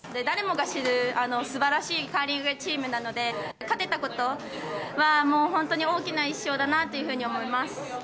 誰もが知るすばらしいカーリングチームなので、勝てたことは、もう本当に大きな一勝だなというふうに思います。